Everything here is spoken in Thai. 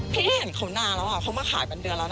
พี่เห็นเขานานแล้วเขามาขายเป็นเดือนแล้วนะ